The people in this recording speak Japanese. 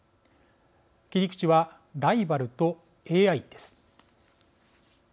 切り口はライバルとＡＩです。